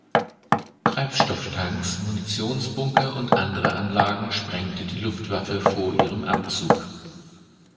Treibstofftanks, Munitionsbunker und andere Anlagen sprengte die Luftwaffe vor ihrem Abzug.